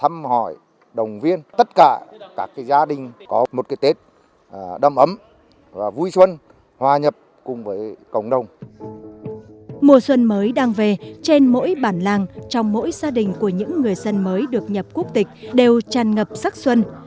mùa xuân mới đang về trên mỗi bản làng trong mỗi gia đình của những người dân mới được nhập quốc tịch đều tràn ngập sắc xuân